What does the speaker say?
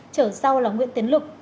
chở sau là nguyễn tiến lực